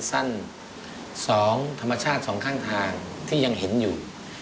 สั้น๒ธรรมชาติสองข้างทางที่ยังเห็นอยู่